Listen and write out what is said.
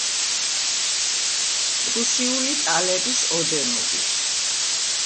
პრუსიული ტალერის ოდენობით.